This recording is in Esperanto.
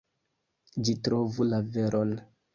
Ĝi trovu la veron.